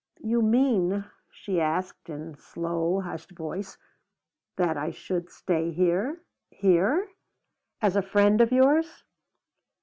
"You mean," she asked, in slow, hushed voice, "that I should stay here here? as a friend of yours?"